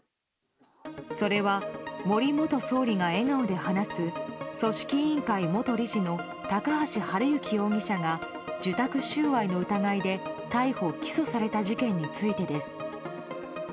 それは、森元総理が笑顔で話す組織委員会元理事の高橋治之容疑者が受託収賄の疑いで逮捕・起訴された事件についてです。